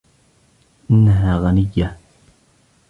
إنها غنية.